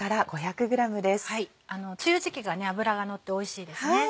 梅雨時期が脂がのっておいしいですね。